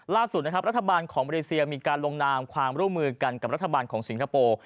ล่าสุดนะครับรัฐบาลของมาเลเซียมีการลงนามความร่วมมือกันกับรัฐบาลของสิงคโปร์